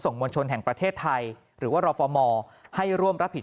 มวลชนแห่งประเทศไทยหรือว่ารฟมให้ร่วมรับผิด